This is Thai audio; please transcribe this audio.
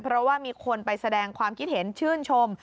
เพราะว่ามีคนไปแสดงความคิดเห็นชื่นชม